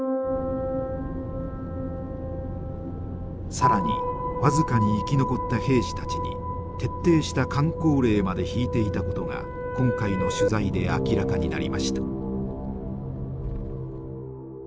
更にわずかに生き残った兵士たちに徹底したかん口令まで敷いていたことが今回の取材で明らかになりました。